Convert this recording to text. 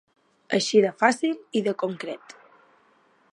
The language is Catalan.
Així de fàcil i de concret.